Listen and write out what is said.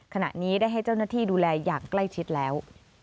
ขณะนี้ได้ให้เจ้าหน้าที่ดูแลอย่างใกล้ชิดแล้ว